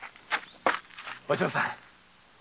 お嬢さん。